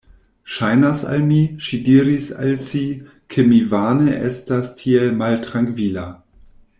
Ŝajnas al mi, ŝi diris al si, ke mi vane estas tiel maltrankvila.